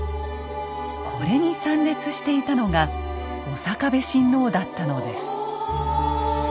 これに参列していたのが刑部親王だったのです。